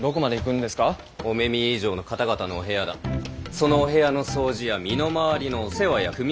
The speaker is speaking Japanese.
そのお部屋の掃除や身の回りのお世話やくみ